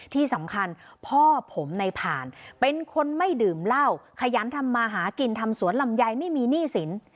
ที่สำคัญพ่อผมในผ่านเป็นคนไม่ดื่มเหล้าขยันทำมาหากินทำสวนลำไยไม่มีหนี้สิน